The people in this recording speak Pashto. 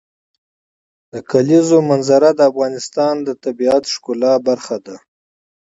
د کلیزو منظره د افغانستان د طبیعت د ښکلا برخه ده.